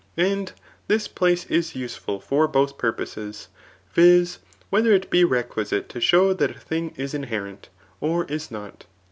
^ And this place b useful for both purposes ; viz. whether it be requisite to show that a thing is inherit, or is not.